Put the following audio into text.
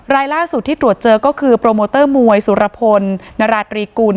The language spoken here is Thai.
รายล่าสุดที่ตรวจเจอก็คือโปรโมเตอร์มวยสุรพลนราตรีกุล